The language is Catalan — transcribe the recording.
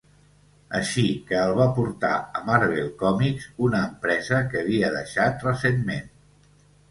Així que el va portar a Marvel Comics, una empresa que havia deixat recentment.